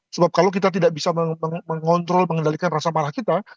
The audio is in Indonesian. sebab kalau kita tidak bisa mengontrol mengendalikan rasa marah kita